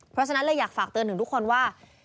เพราะฉะนั้นเลยอยากฝากเตือนถึงทุกคนว่า